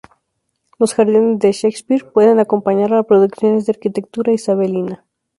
Los jardines de Shakespeare pueden acompañar a reproducciones de arquitectura isabelina.